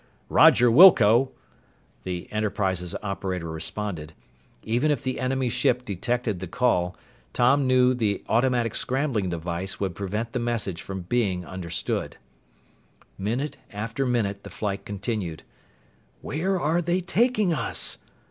"Roger Wilco!" the Enterprises operator responded. Even if the enemy ship detected the call, Tom knew the automatic scrambling device would prevent the message from being understood. Minute after minute, the flight continued. "Where are they taking us?"